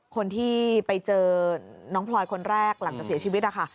คนที่ไปเจอน้องพลอยคนแรกหลังจากเสียชีวิตนะคะ